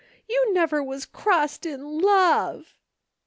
You never was crossed in love